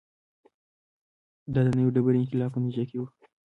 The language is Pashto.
دا د نوې ډبرې انقلاب په نتیجه کې و